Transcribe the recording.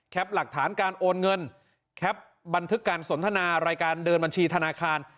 หลักฐานการโอนเงินแคปบันทึกการสนทนารายการเดินบัญชีธนาคาร